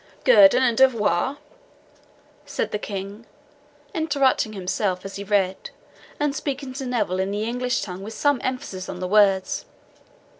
"GUERDON and DEVOIR!" said the King, interrupting himself as he read, and speaking to Neville in the English tongue with some emphasis on the words.